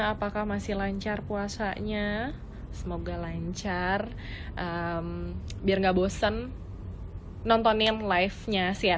apakah masih lancar puasanya